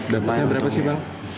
dapatnya berapa sih bang